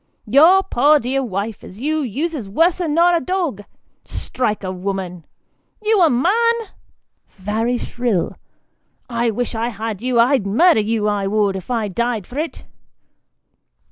Your poor dear wife as you uses worser nor a dog strike a woman you a man ! (very shrill,) I wish I had you I'd murder you, I would, if I died for it